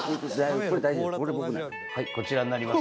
はいこちらになります。